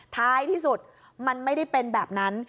ท้ายที่สุดมันไม่ได้เป็นแบบนั้น